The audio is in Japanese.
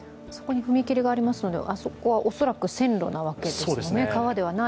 踏切がありますので、あそこは恐らく線路ですよね。